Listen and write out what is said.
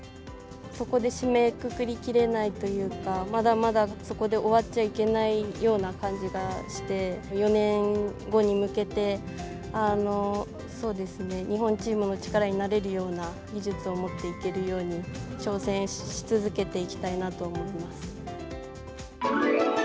ここで締めくくりきれないというか、まだまだそこで終わっちゃいけないような感じがして、４年後に向けて、そうですね、日本チームの力になれるような技術を持っていけるように、挑戦し続けていきたいなと思います。